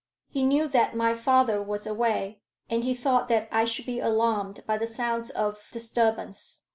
He knew that my father was away, and he thought that I should be alarmed by the sounds of disturbance.